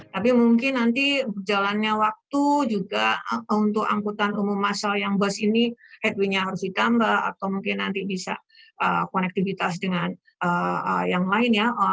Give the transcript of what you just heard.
tapi mungkin nanti jalannya waktu juga untuk angkutan umum masal yang bus ini headway nya harus ditambah atau mungkin nanti bisa konektivitas dengan yang lain ya